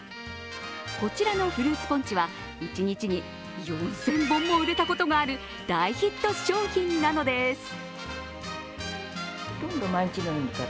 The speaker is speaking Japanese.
こちらのフルーツポンチは一日に４０００本も売れたことがある大ヒット商品なのです。